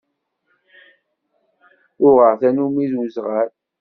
Uɣeɣ tannumi d uzɣal.